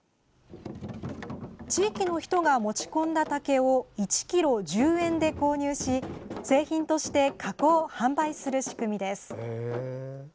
地域の人が持ち込んだ竹を１ｋｇ１０円で購入し製品として加工・販売する仕組みです。